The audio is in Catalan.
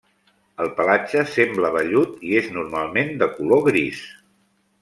El pelatge sembla vellut i és normalment de color gris.